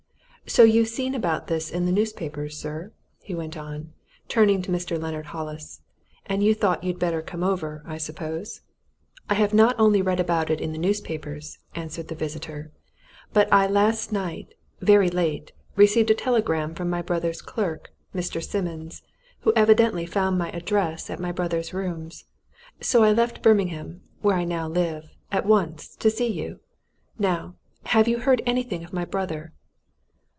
"So you've seen about this in the newspapers, sir?" he went on, turning to Mr. Leonard Hollis. "And you thought you'd better come over, I suppose?" "I have not only read about it in the newspapers," answered the visitor, "but I last night very late received a telegram from my brother's clerk Mr. Simmons who evidently found my address at my brother's rooms. So I left Birmingham where I now live at once, to see you. Now, have you heard anything of my brother?"